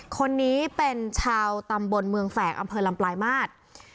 คนนี้เป็นชาวตำบลเมืองแฝกอำเภอลำปลายมาตร